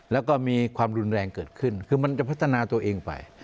แล้วก็มีความรุนแรงเกิดขึ้นคือมันจะพัฒนาตัวเองไป